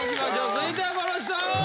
続いてはこの人！